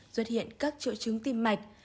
xuất hiện các triệu chứng tim mạch